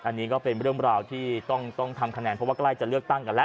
อันนี้ก็เป็นเรื่องราวที่ต้องทำคะแนนเพราะว่าใกล้จะเลือกตั้งกันแล้ว